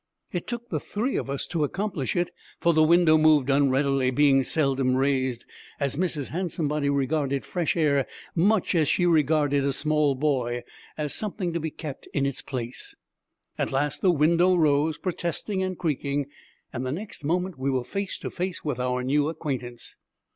It took the three of us to accomplish it, for the window moved unreadily, being seldom raised, as Mrs. Handsomebody regarded fresh air much as she regarded a small boy, as something to be kept in its place. At last the window rose, protesting and creaking, and the next moment we were face to face with our new acquaintance.